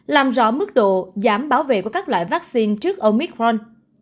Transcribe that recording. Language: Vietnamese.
làm rõ mức độ giảm bảo vệ của các loại vaccine trước omitforn